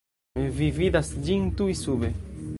Vi vidas ĝin tuj sube.